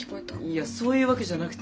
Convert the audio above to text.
いやそういうわけじゃなくて。